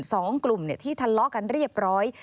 สองกลุ่มที่ทะเลาะกันเรียบร้อย